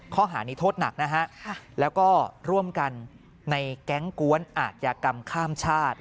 ข้อหานี้โทษหนักนะฮะแล้วก็ร่วมกันในแก๊งกวนอาจยากรรมข้ามชาติ